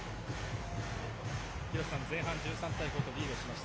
廣瀬さん、前半１３対５とリードしました。